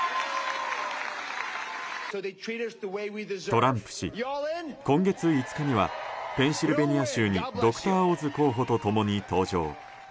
トランプ氏、今月５日にはペンシルベニア州にドクター・オズ候補と共に登場。